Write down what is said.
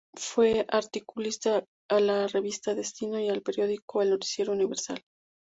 Fue articulista a la revista "Destino" y al periódico "El Noticiero Universal.